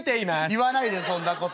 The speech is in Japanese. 「言わないでそんなこと」。